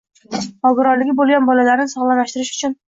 Nogironligi bo‘lgan bolalarni sog‘lomlashtirish uchun